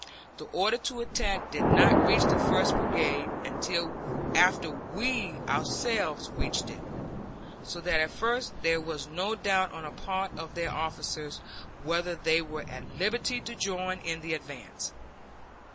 The order to attack did not reach the first brigade until after we ourselves reached it, so that at first there was doubt on the part of their officers whether they were at liberty to join in the advance.